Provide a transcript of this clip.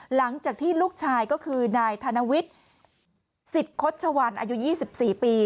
หลังจากที่ลูกชายก็คือนายธนวิทย์สิทธิ์คดชวันอายุ๒๔ปี